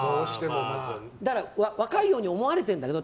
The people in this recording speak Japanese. だから、若いように思われてんだけど